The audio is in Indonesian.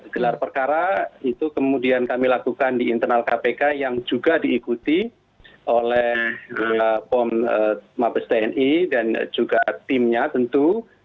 gelar perkara itu kemudian kami lakukan di internal kpk yang juga diikuti oleh pom mabes tni dan juga timnya tentu